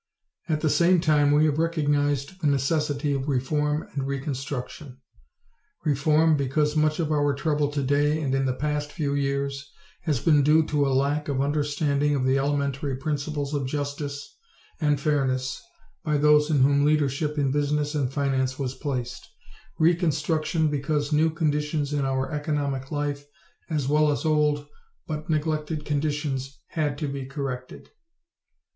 At the same time we have recognized the necessity of reform and reconstruction reform because much of our trouble today and in the past few years has been due to a lack of understanding of the elementary principles of justice and fairness by those in whom leadership in business and finance was placed reconstruction because new conditions in our economic life as well as old but neglected conditions had to be corrected.